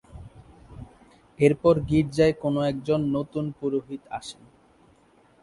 এরপর গির্জায় কোনও একজন নতুন পুরোহিত আসেন।